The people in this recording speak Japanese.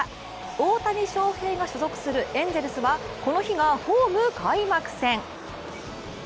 大谷翔平が所属するエンゼルスは、この日がホーム開幕戦。